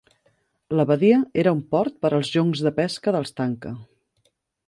La badia era un port per als joncs de pesca dels tanka.